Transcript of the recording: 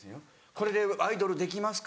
これでアイドルできますか？